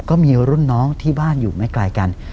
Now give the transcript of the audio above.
ก็มีรุ่นน้องที่บ้านอยู่ไม่ไกลกัน